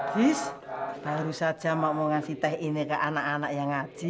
jis baru saja mau ngasih teh ini ke anak anak yang ngaji